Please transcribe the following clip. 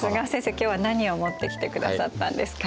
今日は何を持ってきてくださったんですか？